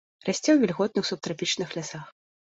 Расце ў вільготных субтрапічных лясах.